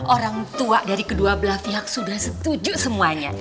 orang tua dari kedua belah pihak sudah setuju semuanya